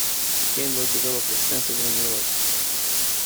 The game was developed extensively in Europe.